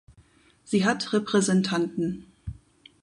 Sie hat Repräsentanten.